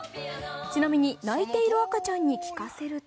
ちなみに泣いている赤ちゃんに聴かせると。